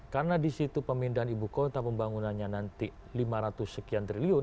karena di situ pemindahan ibu kota pembangunannya nanti lima ratus sekian triliun